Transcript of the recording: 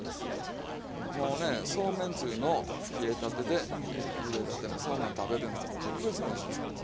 もうねそうめんつゆの冷えたてでゆでたてのそうめん食べるのは格別においしいですから。